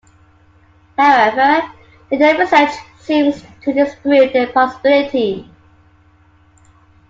However, later research seems to disprove that possibility.